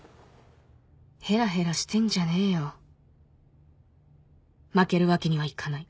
ヘラヘラしてんじゃねえよ負けるわけにはいかない